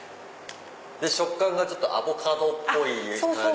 食感がアボカドっぽい感じ。